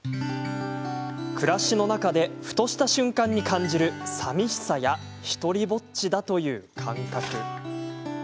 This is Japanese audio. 暮らしの中でふとした瞬間に感じるさみしさや独りぼっちだという感覚。